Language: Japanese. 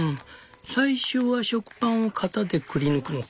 最初は食パンを型でくりぬくのか」。